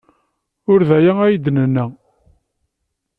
Ur d aya ay d-nenna.